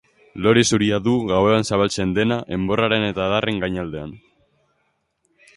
Lore zuria du, gauean zabaltzen dena, enborraren eta adarren gainaldean.